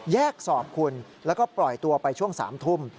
แยกสอบคุณแล้วก็ปล่อยตัวไปช่วง๓ทุ่ม